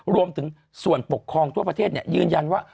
รวมถึงส่วนปกครองทั่วประเทศยืนยันว่า